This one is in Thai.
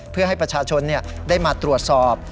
เพื่อให้ประชาชนได้มาตรวจสอบ